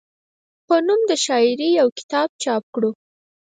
پۀ نوم د شاعرۍ يو کتاب چاپ کړو،